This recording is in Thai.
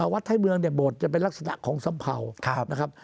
วัดไทยเมืองเนี่ยโบสถจะเป็นลักษณะของสำเภานะครับ